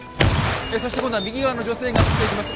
そして今度は右側の女性が撃っていきます。